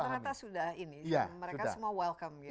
tapi rata rata sudah ini mereka semua welcome gitu